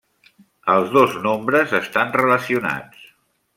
Els dos nombres estan relacionats.